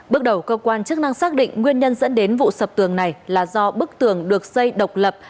bước đầu cơ quan chức năng xác định nguyên nhân dẫn đến vụ sập tường này là do bức tường được xây độc lập